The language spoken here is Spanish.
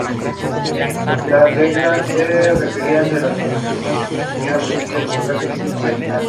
Las reglas requerían de las participantes, que estuvieran vestidas con un traje típico mexicano.